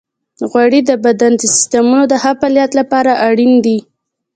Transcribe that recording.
غوړې د بدن د سیستمونو د ښه فعالیت لپاره اړینې دي.